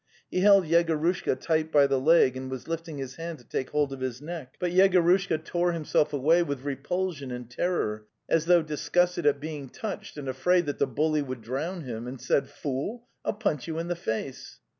He held Yegorushka tight by the leg, and was lifting his hand to take hold of his neck. But 220 The Tales of Chekhov Yegorushka tore himself away with repulsion and terror, as though disgusted at being touched and afraid that the bully would drown him, and said: "Fool! Dll punch you in the face."